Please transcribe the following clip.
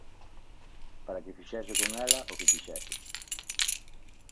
Para que fixese con ela o que quixese.